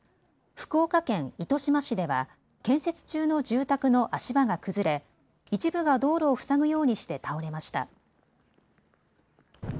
福岡県糸島市では建設中の住宅の足場が崩れ一部が道路を塞ぐようにして倒れました。